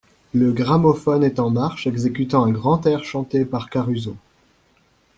Le gramophone est en marche exécutant un grand air chanté par Caruso.